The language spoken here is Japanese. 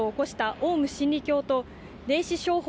オウム真理教と霊視商法